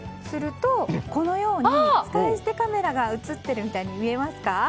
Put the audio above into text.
すると、このように使い捨てカメラが映ってるみたいに見えますか？